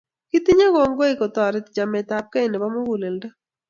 Ketinyei kongoi kotoreti chametapkei nepo muguleldo